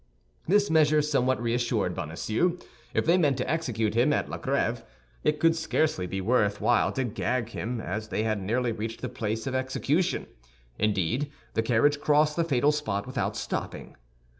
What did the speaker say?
This measure somewhat reassured Bonacieux. If they meant to execute him at La Grêve, it could scarcely be worth while to gag him, as they had nearly reached the place of execution. Indeed, the carriage crossed the fatal spot without stopping.